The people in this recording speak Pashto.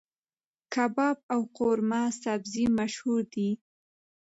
کباب او قورمه سبزي مشهور دي.